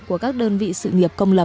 của các đơn vị sự nghiệp công nghiệp